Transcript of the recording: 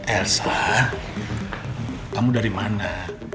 elsa kamu dari mana